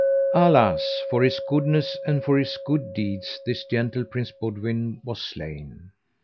Alas, for his goodness and for his good deeds this gentle Prince Boudwin was slain.